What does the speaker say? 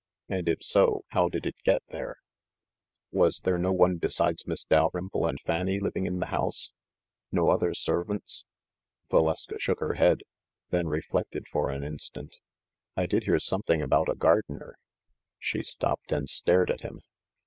And if so, how did it get there ?" "Was there no one besides Miss Dalrymple and Fanny living in the house ? No other servants ?" Valeska shook her head, then reflected for an in stant. "I did hear something about a gardener —" She stopped and stared at him.